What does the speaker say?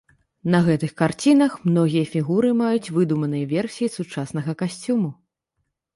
На гэтых карцінах многія фігуры маюць выдуманыя версіі сучаснага касцюму.